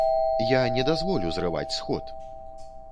Я не дазволю зрываць сход!